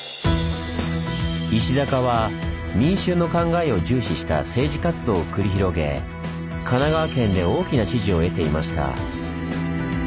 石阪は民衆の考えを重視した政治活動を繰り広げ神奈川県で大きな支持を得ていました。